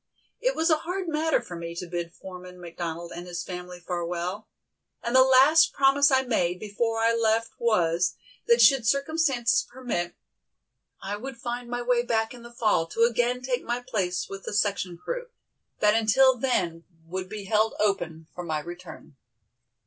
It was a hard matter for me to bid Foreman McDonald and his family farewell, and the last promise I made before I left was, that should circumstances permit I would find my way back in the fall to again take my place with the section crew, that until then would be held open for my return.